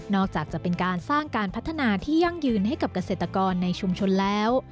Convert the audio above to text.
อกจากจะเป็นการสร้างการพัฒนาที่ยั่งยืนให้กับเกษตรกรในชุมชนแล้ว